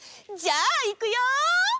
じゃあいくよ。